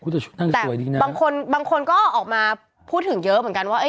แต่บางคนบางคนก็ออกมาพูดถึงเยอะเหมือนกันว่า